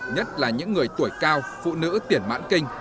nhất là những người tuổi cao phụ nữ tiển mãn kinh